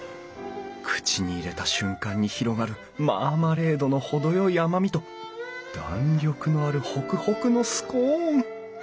口に入れた瞬間に広がるマーマレードの程よい甘みと弾力のあるホクホクのスコーン！